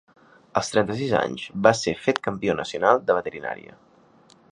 Als trenta-sis anys va ser fet campió nacional de Veterinària.